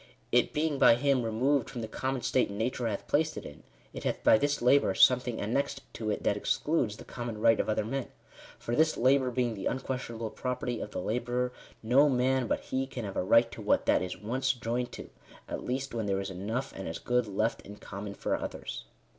It being by him removed from the common state nature hath placed it in, it hath by this labour something annexed to it that excludes the common right of other men. For this labour being the unquestionable property of the labourer, no man but he can have a right to what that is once joined to, at least when there is enough and as good left in common for others."